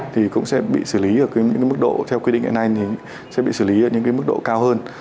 thì cũng sẽ bị xử lý ở những mức độ theo quy định hiện nay thì sẽ bị xử lý ở những cái mức độ cao hơn